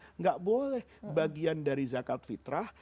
tidak boleh bagian dari zakat fitrah